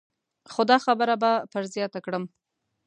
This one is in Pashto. خو دا خبره به پر زیاته کړم.